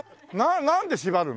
なんでしばるの？